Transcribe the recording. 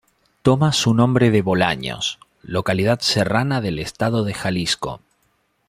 Toma su nombre de Bolaños, localidad serrana del estado de Jalisco.